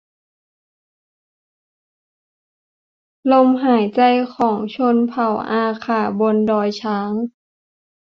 ลมหายใจของชนเผ่าอาข่าบนดอยช้าง